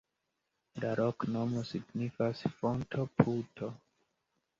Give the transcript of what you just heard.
La loknomo signifas: fonto-puto.